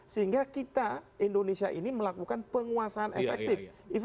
sehingga kita indonesia ini melakukan penguasaan efektif